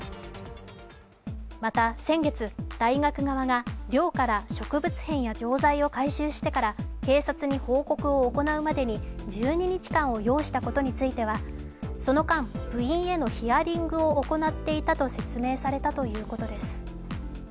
また、先月、大学側が寮から植物片や錠剤を回収してから警察に報告を行うまでに１２日を要したことについては、その間、部員へのヒアリングを行っていたと説明されたということです。